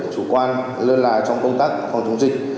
công an lươn lại trong công tác phòng chống dịch